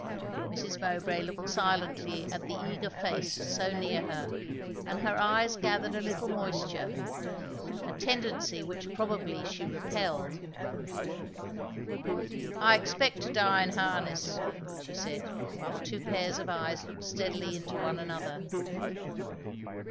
Mrs. Mowbray looked silently at the eager face so near her, and her eyes gathered a little moisture, a tendency which probably she repelled. "I expect to die in harness," she said, while the two pair of eyes looked steadily into one another.